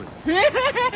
ハハハッ！